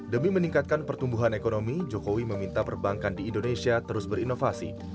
demi meningkatkan pertumbuhan ekonomi jokowi meminta perbankan di indonesia terus berinovasi